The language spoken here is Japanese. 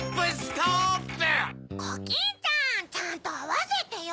コキンちゃんちゃんとあわせてよ！